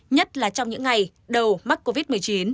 nhất là trong những ngày đầu mắc covid một mươi chín